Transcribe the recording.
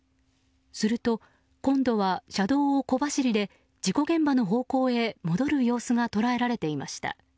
すると今度は車道を小走りで事故現場の方向へ戻る様子が捉えられていました。